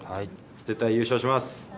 絶対優勝します。